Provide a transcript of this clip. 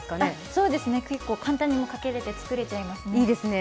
そうですね、簡単にかけて作れちゃいますね。